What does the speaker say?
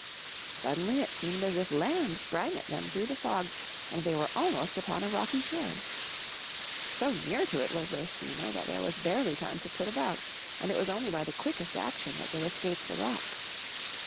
Suddenly it seemed as if land sprang at them through the fog and they were almost upon a rocky shore. So near to it was their steamer that there was barely time to put about and it was only by the quickest action that they escaped the rocks.